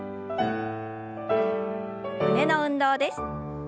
胸の運動です。